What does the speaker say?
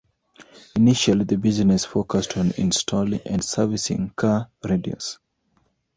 Initially, the business focused on installing and servicing car radios.